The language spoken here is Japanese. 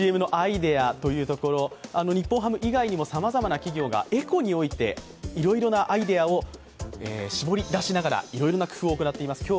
日本ハム以外にもさまざまな企業がエコにおいて、いろいろなアイデアを絞り出しながらいろいろな工夫を行っています。